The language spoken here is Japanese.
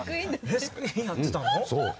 レースクイーンやってたの？